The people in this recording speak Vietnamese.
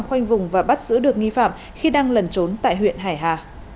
khoanh vùng và bắt giữ được nghi phạm khi đang lẩn trốn tại huyện hải hà